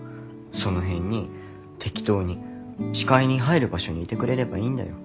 その辺に適当に視界に入る場所にいてくれればいいんだよ